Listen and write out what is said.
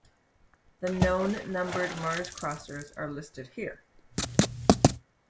The known numbered Mars-crossers are listed here.